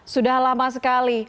sudah lama sekali